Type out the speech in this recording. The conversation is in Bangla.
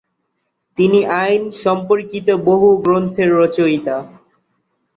তিনি আইন সম্পর্কিত বহু গ্রন্থের রচয়িতা।